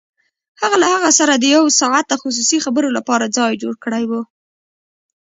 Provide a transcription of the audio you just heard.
هغه له هغه سره د يو ساعته خصوصي خبرو لپاره ځای جوړ کړی و.